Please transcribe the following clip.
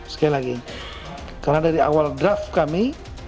sekali lagi karena dari awal draft kami